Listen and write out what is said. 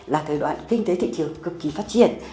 là thời đoạn kinh tế thị trường cực kỳ phát triển